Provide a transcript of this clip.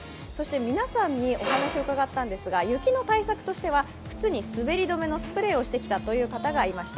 皆さんにお話を伺ったんですが雪の対策としては靴に滑り止めのスプレーをしてきたという方がいました。